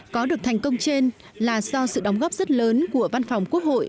có được thành công trên là do sự đóng góp rất lớn của văn phòng quốc hội